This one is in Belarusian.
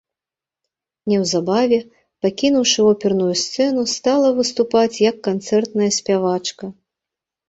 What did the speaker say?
Неўзабаве, пакінуўшы оперную сцэну, стала выступаць як канцэртная спявачка.